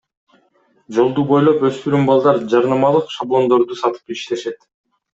Жолду бойлой өспүрүм балдар жарнамалык шаблондорду сатып иштешет.